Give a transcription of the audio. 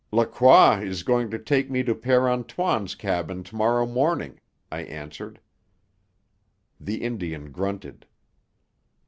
"Lacroix is going to take me to Père Antoine's cabin to morrow morning," I answered. The Indian grunted.